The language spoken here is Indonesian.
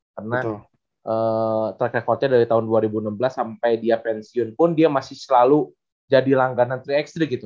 karena track recordnya dari tahun dua ribu enam belas sampai dia pensiun pun dia masih selalu jadi langganan tiga x tiga gitu